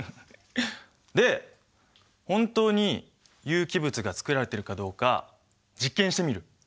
で本当に有機物が作られてるかどうか実験してみる？